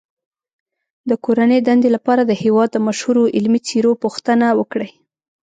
د کورنۍ دندې لپاره د هېواد د مشهورو علمي څیرو پوښتنه وکړئ.